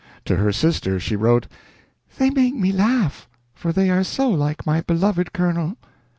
To her sister she wrote, "They make me laugh, for they are so like my beloved Colonel."